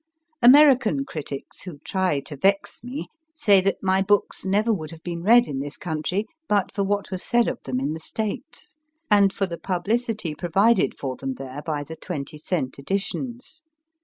American critics who try to vex me say that my books never would have been read in this country but for what was said of them in the States, and for the publicity provided for them there by the twenty cent editions.